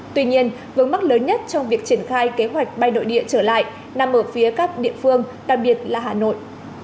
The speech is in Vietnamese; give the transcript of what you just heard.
tuy nhiên vướng mắt lớn nhất trong việc triển khai kế hoạch bay nội địa trở lại nằm ở phía các địa phương đặc biệt là hà nội